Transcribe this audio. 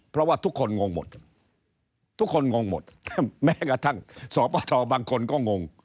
เพราะว่าทุกคนงงหมดทุกคนงงหมดแม้กระทั่งสปทบางคนก็งง